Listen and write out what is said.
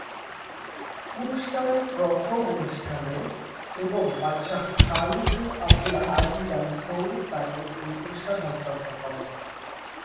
পুরস্কারের প্রথম অনুষ্ঠানে, এবং বাদশাহ খালিদ বিন আবদুল আজিজ আল-সৌদ তাকে এই পুরস্কার হস্তান্তর করেন।